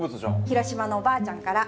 広島のおばあちゃんから。